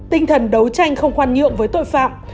tinh thần đấu tranh không khoan nhượng với tội phạm